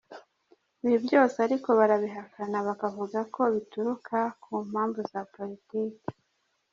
Ibi byose ariko barabihakana bakavuga ko bituruka ku mpamvu za politiki.